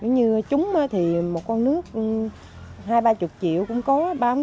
nếu như chúng thì một con nước hai ba mươi triệu cũng có ba mươi